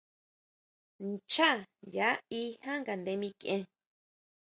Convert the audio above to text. Nchaá nya í jan ngaʼnde mikʼien.